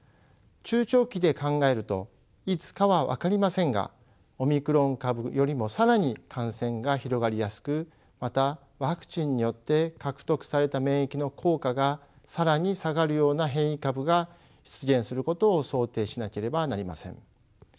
中長期で考えるといつかは分かりませんがオミクロン株よりも更に感染が広がりやすくまたワクチンによって獲得された免疫の効果が更に下がるような変異株が出現することを想定しなければなりません。